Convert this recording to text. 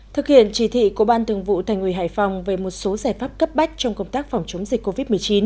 thực hiện chỉ thị của ban thường vụ thành ủy hải phòng về một số giải pháp cấp bách trong công tác phòng chống dịch covid một mươi chín